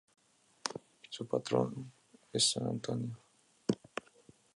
Su patrono es Santo Antônio.